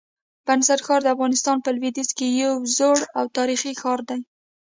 بست ښار د افغانستان په لودیځ کي یو زوړ او تاریخي ښار دی.